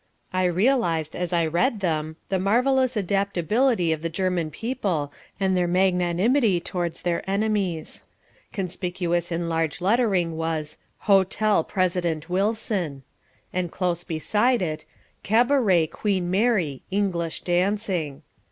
I realised as I read them the marvellous adaptability of the German people and their magnanimity towards their enemies. Conspicuous in huge lettering was HOTEL PRESIDENT WILSON, and close beside it CABARET QUEEN MARY: ENGLISH DANCING.